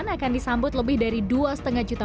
akan disambut lebih dari dua lima juta